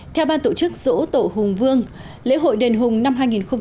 theo ban tổ chức dỗ tổ hùng vương lễ hội đền hùng năm hai nghìn một mươi bảy